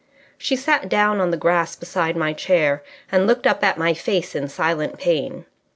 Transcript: She sat down on the grass beside my chair, and looked up at my face in silent pain.